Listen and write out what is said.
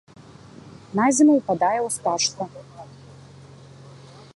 На зіму ўпадае ў спячку.